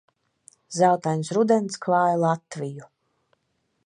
Zeltains rudens klāj Latviju.